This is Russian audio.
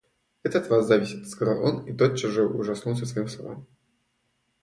Это от вас зависит, — сказал он и тотчас же ужаснулся своим словам.